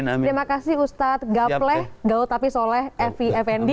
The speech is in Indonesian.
terima kasih ustadz gapleh gautapi soleh efi effendi